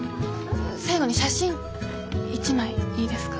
最後に写真一枚いいですか？